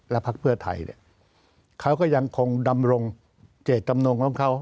พักเพื่อไทยเนี่ยเขาก็ยังคงดำรงเจตจำนงของเขา